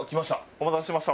お待たせしました。